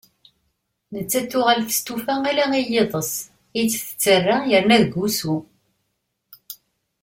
Nettat tuɣal testufa, ala i yiḍes ay tt-tettarra, yerna deg wusu